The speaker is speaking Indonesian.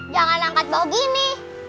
jangan angkat bau gini